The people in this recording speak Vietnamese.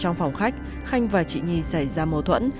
trong phòng khách khanh và chị nhi xảy ra mâu thuẫn